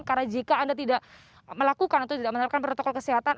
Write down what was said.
karena jika anda tidak melakukan atau tidak menerapkan protokol kesehatan